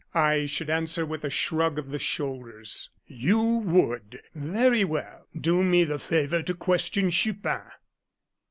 "I should answer with a shrug of the shoulders." "You would! Very well; do me the favor to question Chupin."